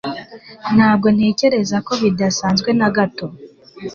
Ntabwo ntekereza ko bidasanzwe na gato